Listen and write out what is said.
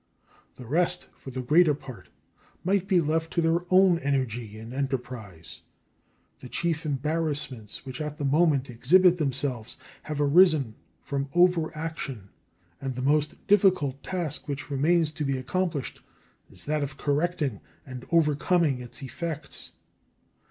The rest for the greater part might be left to their own energy and enterprise. The chief embarrassments which at the moment exhibit themselves have arisen from overaction, and the most difficult task which remains to be accomplished is that of correcting and overcoming its effects.